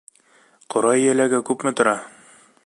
Ҡурай еләге күпме тора?